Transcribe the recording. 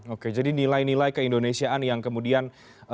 oke jadi nilai nilai keindonesiaan yang kemudian